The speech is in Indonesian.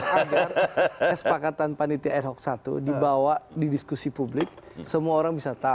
agar kesepakatan panitia airhawk satu dibawa di diskusi publik semua orang bisa tahu